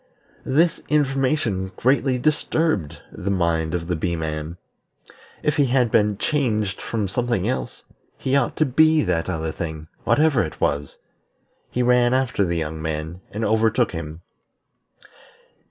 This information greatly disturbed the mind of the Bee man. If he had been changed from something else, he ought to be that other thing, whatever it was. He ran after the young man, and overtook him.